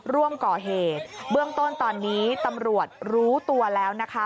ร่วมก่อเหตุเบื้องต้นตอนนี้ตำรวจรู้ตัวแล้วนะคะ